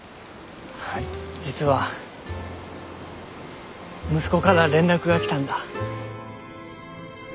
実は息子から連絡が来たんだ。